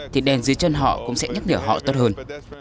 thì đèn dưới chân họ cũng sẽ nhắc nhở họ tốt hơn